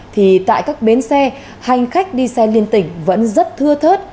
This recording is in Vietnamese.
thì tại các bến xe hành khách đi xe liên tỉnh vẫn rất thưa thớt